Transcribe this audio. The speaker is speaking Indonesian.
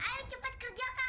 ayo cepat kerjakan